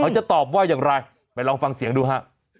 จะตอบว่าอย่างไรไปลองฟังเสียงดูฮะ